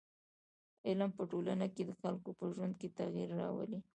علم په ټولنه کي د خلکو په ژوند کي تغیر راولي.